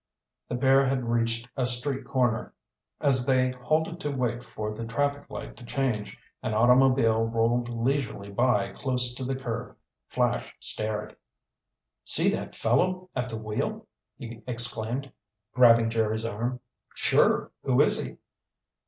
The pair had reached a street corner. As they halted to wait for the traffic light to change, an automobile rolled leisurely by close to the curb. Flash stared. "See that fellow at the wheel!" he exclaimed, grabbing Jerry's arm. "Sure. Who is he?"